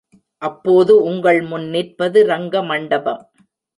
அப்போது உங்கள் முன் நிற்பது ரங்க மண்டபம்.